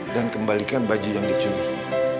dan kembalikan baju yang diculihi